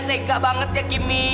tega banget ya kimi